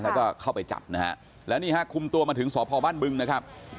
แล้วก็เข้าไปจับนะฮะแล้วนี่ฮะคุมตัวมาถึงสพบ้านบึงนะครับ